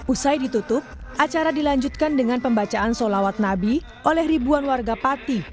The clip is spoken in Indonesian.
usai ditutup acara dilanjutkan dengan pembacaan solawat nabi oleh ribuan warga pati